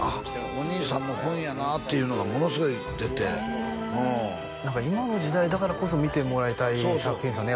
お兄さんの本やなっていうのがものすごい出てへえ何か今の時代だからこそ見てもらいたい作品ですよね